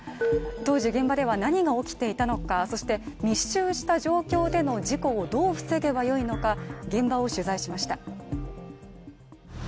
当時現場では何が起きていたのか、そして、密集した状況での事故をどう防げばいいのか現場を取材しました。